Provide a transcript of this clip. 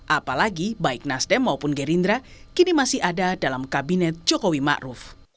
apalagi baik nasdem maupun gerindra kini masih ada dalam kabinet jokowi ⁇ maruf ⁇